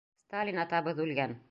Сталин атабыҙ үлгән.